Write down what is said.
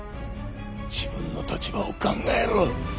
自分の立場を考えろ